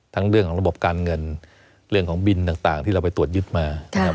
เรื่องของระบบการเงินเรื่องของบินต่างที่เราไปตรวจยึดมานะครับ